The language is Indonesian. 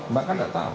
mbak kan gak tahu